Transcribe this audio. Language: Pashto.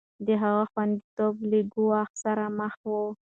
د هغه خونديتوب له ګواښ سره مخ و.